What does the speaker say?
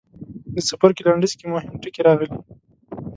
د څپرکي لنډیز کې مهم ټکي راغلي.